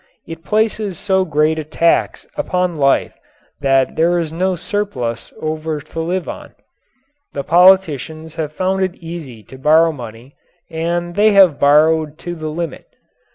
It places so great a tax upon life that there is no surplus over to live on. The politicians have found it easy to borrow money and they have borrowed to the limit.